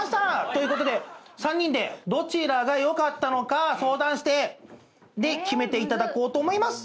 ということで３人でどちらがよかったのか相談して決めていただこうと思います。